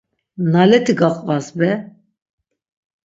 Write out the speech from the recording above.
Naleti gaqvas be!